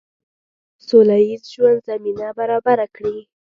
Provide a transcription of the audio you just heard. د سوله ییز ژوند زمینه برابره کړي.